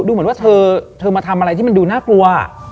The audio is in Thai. ดูเหมือนว่าเธอมาทำอะไรที่มันดูน่ากลัว